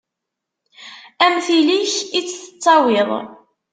Am tili-k i tt-tettawiḍ.